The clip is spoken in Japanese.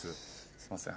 すいません。